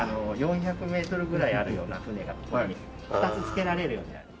４００メートルぐらいあるような船がここに２つ着けられるようになる。